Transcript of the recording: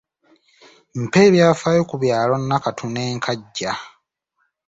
Mpa ebyafaayo ku byalo Nakatu ne Nkajja.